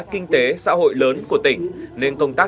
kinh tế xã hội lớn của tỉnh